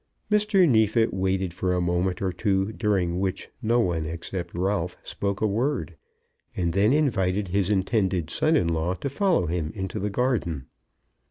Mr. Neefit waited for a moment or two during which no one except Ralph spoke a word, and then invited his intended son in law to follow him into the garden.